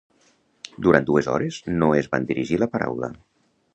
Durant dues hores no es van dirigir la paraula.